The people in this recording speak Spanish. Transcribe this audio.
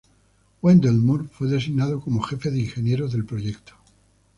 Wendell Moore fue designado como jefe de ingenieros del proyecto.